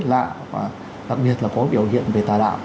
lạ và đặc biệt là có biểu hiện về tà đạo